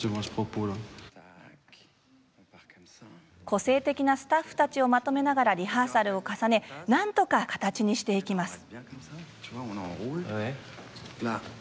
個性的なスタッフたちをまとめながらリハーサルを重ねなんとか形にしていきます。